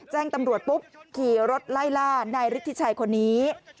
แจ้งตำรวจปุ๊บขี่รถไล่ล่านายฤทธิชัยคนนี้